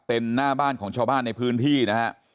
เป็นหน้าบ้านของชาวบ้านในพื้นที่นะฮะ